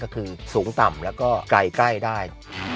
ก็คือสูงต่ำแล้วก็ไกลใกล้ได้